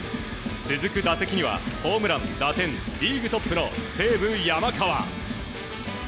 続く打席にはホームラン、打点リーグトップの西武、山川。